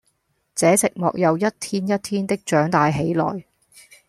這寂寞又一天一天的長大起來，